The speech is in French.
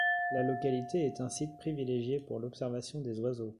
La localité est un site privilégié pour l'observation des oiseaux.